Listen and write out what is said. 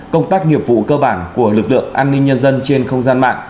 công tác nghiệp vụ cơ bản của lực lượng an ninh nhân dân trên không gian mạng